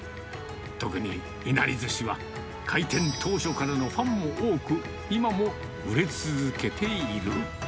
特にいなりずしは開店当初からのファンも多く、今も売れ続けている。